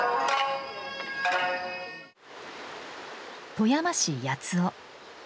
富山市八尾。